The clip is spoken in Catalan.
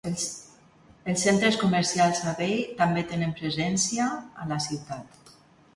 Els centres comercials Abbey també tenen presència a la ciutat.